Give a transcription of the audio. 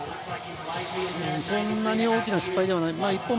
そんなに大きな失敗ではない。